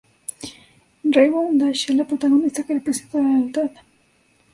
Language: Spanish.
Rainbow Dash es la protagonista que representa la lealtad.